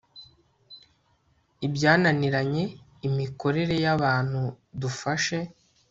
ibyananiranye imikorere yabantu dufashe